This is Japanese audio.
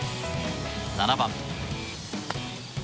７番。